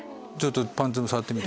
パンツも触ってみて。